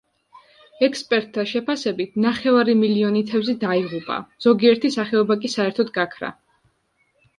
ექსპერტთა შეფასებით ნახევარი მილიონი თევზი დაიღუპა, ზოგიერთი სახეობა კი საერთოდ გაქრა.